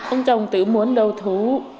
ông chồng tự muốn đầu thú